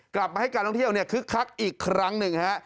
กลับมาให้การท่องเที่ยวคึกคักอีกครั้งหนึ่งฮะ